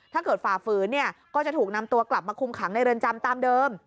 ถ้าเกิดฝ่าฝืนก็จะถูกนำตัวกลับมาคุมขังในเรือนจำตามเดิม